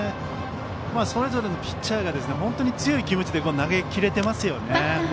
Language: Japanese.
それぞれのピッチャーが本当に強い気持ちで投げ切れていますよね。